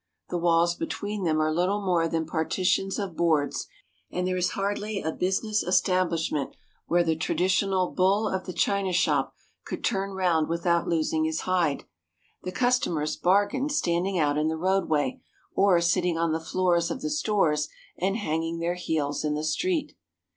The walls be tween them are little more than partitions of boards, and there is hardly a business establishment where the tradi tional bull of the china shop could turn round without 214 SHOPPING IN STREET CALLED STRAIGHT losing his hide. The customers bargain standing out in the roadway, or sitting on the floors of the stores and hanging their heels in the street.